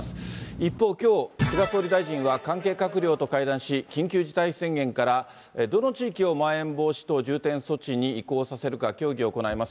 一方、きょう、菅総理大臣は関係閣僚と会談し、緊急事態宣言からどの地域をまん延防止等重点措置に移行させるか協議を行います。